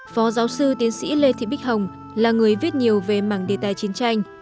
phó giáo sư tiến sĩ lê thị bích hồng là người viết nhiều về mảng đề tài chiến tranh